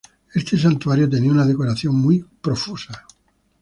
Este santuario tenía una decoración muy profusa.